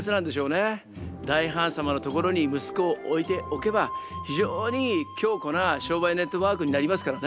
大ハーン様のところに息子を置いておけば非常に強固な商売ネットワークになりますからね。